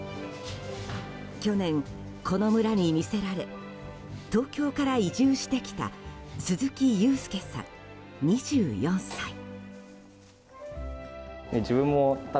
去年、この村に魅せられ東京から移住してきた鈴木雄祐さん、２４歳。